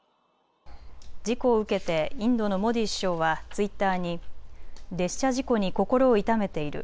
事故を受けてインドのモディ首相はツイッターに列車事故に心を痛めている。